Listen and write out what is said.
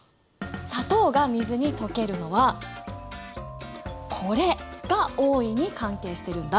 砂糖が水に溶けるのはこれが大いに関係してるんだ！